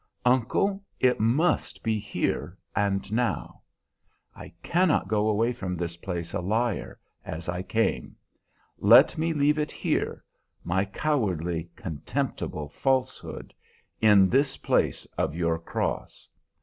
"Uncle, it must be here and now. I cannot go away from this place a liar, as I came. Let me leave it here, my cowardly, contemptible falsehood, in this place of your cross.